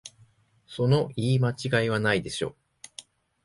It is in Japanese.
その言い間違いはないでしょ